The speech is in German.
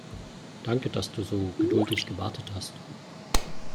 Danke, dass du so geduldig gewartet hast.